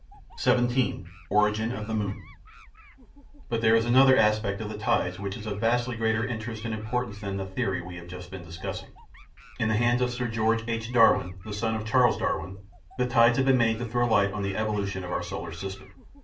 § 17 Origin of the Moon But there is another aspect of the tides which is of vastly greater interest and importance than the theory we have just been discussing. In the hands of Sir George H. Darwin, the son of Charles Darwin, the tides had been made to throw light on the evolution of our solar system.